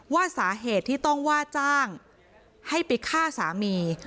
ว่าสาเหตุที่ต้องว่าจ้างให้ไปฆ่าสามี